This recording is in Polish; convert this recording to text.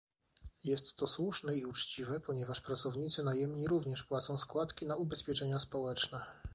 Jest to słuszne i uczciwe, ponieważ pracownicy najemni również płacą składki na ubezpieczenia społeczne